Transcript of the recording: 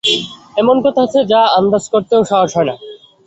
এমন কথা আছে যা আন্দাজ করতেও সাহস হয় না।